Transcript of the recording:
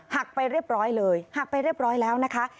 หักไปเรียบร้อยเลยหักไปเรียบร้อยแล้วนะคะ